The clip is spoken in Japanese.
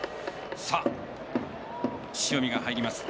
塩見が入ります。